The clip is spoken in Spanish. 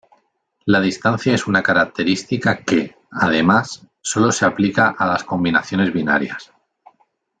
La distancia es una característica que, además, sólo se aplica a las combinaciones binarias.